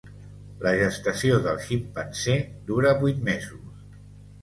La gestació del ximpanzé dura vuit mesos.